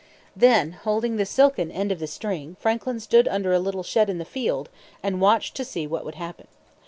Then, holding the silken end of the string, Franklin stood under a little shed in the field, and watched to see what would happen.